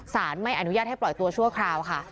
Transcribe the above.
ไม่อนุญาตให้ปล่อยตัวชั่วคราวค่ะ